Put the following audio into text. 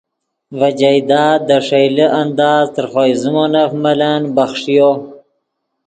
ڤے جائیداد دے ݰئیلے انداز تر خوئے زیمونف ملن بخݰیو